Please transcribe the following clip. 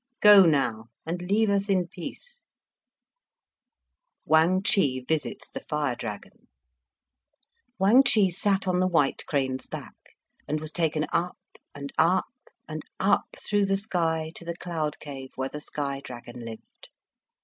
"Go now, and leave us in peace." So Wang Chih sat on the white crane's back, and was taken up, and up, and up through the sky to the cloud cave where the sky dragon lived.